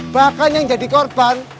bahkan yang jadi korban